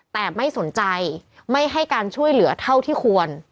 แต่ไม่สนใจไม่ให้การช่วยเหลือเท่าที่ควร